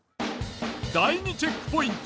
第２チェックポイント